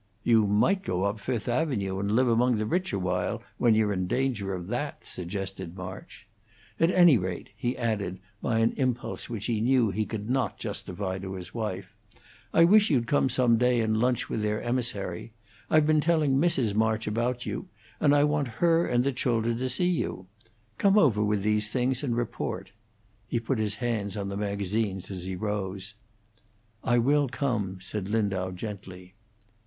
"You might go up Fifth Avenue and live among the rich awhile, when you're in danger of that," suggested March. "At any rate," he added, by an impulse which he knew he could not justify to his wife, "I wish you'd come some day and lunch with their emissary. I've been telling Mrs. March about you, and I want her and the children to see you. Come over with these things and report." He put his hand on the magazines as he rose. "I will come," said Lindau, gently.